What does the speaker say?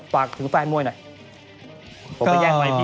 ฝากถึงแฟนมวยหน่อย